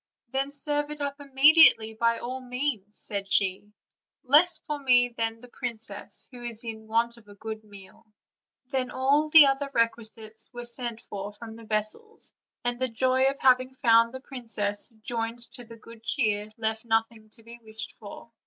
"Then serve it up immediately, by all means," said she, "less for me than the princess, who is in want of a good meal." Then all the other requisites were sent from the vessels; and the joy at having found the princess, joined to the good cheer, left nothing to be wished for.